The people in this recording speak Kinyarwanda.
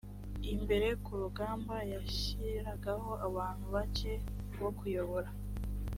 imbere ku rugamba yashyiragaho abantu bake bo kuyobora